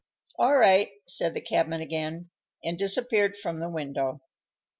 "] "All right," said the cabman again, and disappeared from the window.